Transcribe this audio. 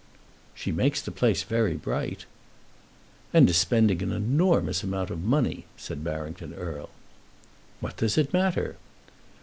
"She makes the place very bright." "And is spending an enormous deal of money," said Barrington Erle. "What does it matter?"